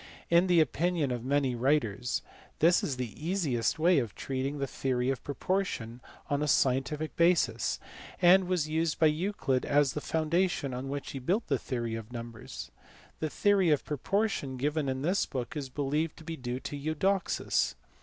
In the opinion of many writers this is the easiest way of treating the theory of proportion on a scientific basis; and it was used by Euclid as the foundation on which he built the theory of numbers. The theory of proportion given in this book is believed to be due to Eudoxus.